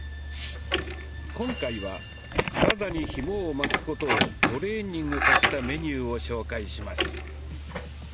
今回は体にひもを巻くことをトレーニング化したメニューを紹介します。